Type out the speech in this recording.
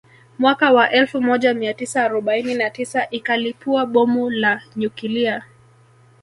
Mwaka wa elfu moja mia tisa arobaini na tisa ikalipua Bomu la nyukilia